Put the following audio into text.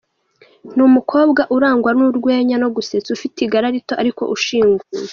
Ni umukobwa urangwa n’urwenya no gusetsa, ufite igara rito ariko ushinguye.